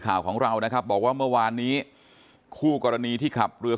ข่าวของเรานะครับบอกว่าเมื่อวานนี้คู่กรณีที่ขับเรือ